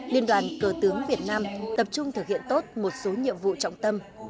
liên đoàn cờ tướng việt nam tập trung thực hiện tốt một số nhiệm vụ trọng tâm